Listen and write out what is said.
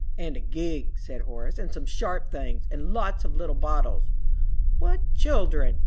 "And a gig," said Horace, "and some sharp things, and lots of little bottles." "What children!"